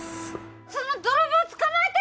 その泥棒捕まえて！